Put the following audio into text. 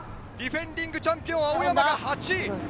ディフェンディングチャンピオン・青山が８位。